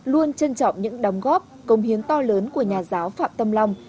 luôn trân trọng những đóng góp công hiến to lớn của nhà giáo phạm tâm long